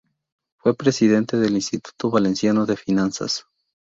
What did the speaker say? Fue Presidente del Instituto Valenciano de Finanzas.